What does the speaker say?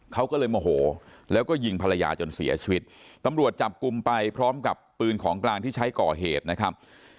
เขาก็เลยโมโหแล้วก็ยิงภรรยาจนเสียชีวิตตำรวจจับกลุ่มไปพร้อมกับปืนของกลางที่ใช้ก่อเหตุนะครับ